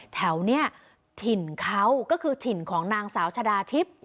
แถวนี้ถิ่นเขาก็คือถิ่นของนางสาวชะดาทิพย์